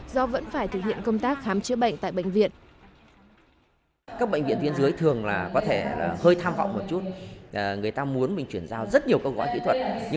do vẫn phải thực hiện công tác khám chữa bệnh tại bệnh viện